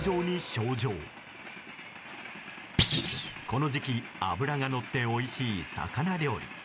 この時期脂がのっておいしい魚料理。